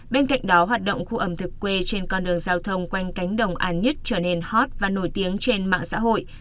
bên cạnh đó hoạt động khu ẩm thực quê trên con đường giao thông quanh cánh đồng an nhất trở nên hot và nổi tiếng trên mạng xã hội